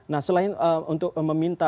nah selain untuk meminta